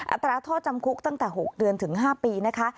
อัตราโทษจำคุกตั้งแต่๖เดือนถึง๕ปีนะคะ